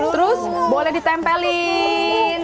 terus boleh ditempelin